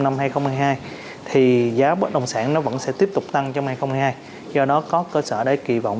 năm hai nghìn hai mươi hai thì giá bất đồng sản nó vẫn sẽ tiếp tục tăng trong năm hai nghìn hai mươi hai do đó có cơ sở để kỳ vọng